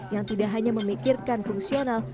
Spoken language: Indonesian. yang tidak hanya memikirkan fungsional